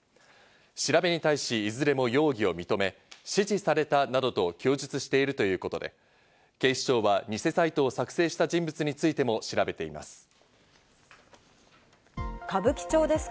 調べに対し、いずれも容疑を認め、指示されたなどと供述しているということで、警視庁は偽サイトを作成した人物についても調べています。